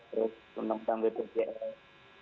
terus undang undang wbjs